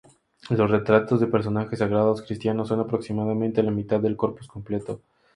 Los retratos de personajes sagrados cristianos son aproximadamente la mitad del corpus completo.